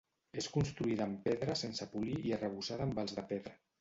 És construïda en pedra sense polir i arrebossada amb els de pedra.